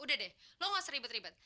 udah deh lo gak usah ribet ribet